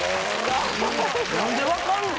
何で分かんねん！